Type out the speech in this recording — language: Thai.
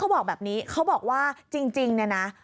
เขาบอกแบบนี้เขาบอกว่าจริงนะ